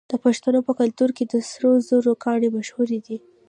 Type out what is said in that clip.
د پښتنو په کلتور کې د سرو زرو ګاڼې مشهورې دي.